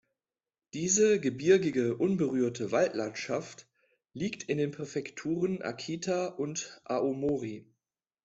Diese gebirgige, unberührte Waldlandschaft liegt in den Präfekturen Akita und Aomori.